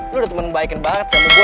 lo udah temen baikan banget sama gue ya